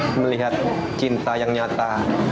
saya melihat cinta yang nyata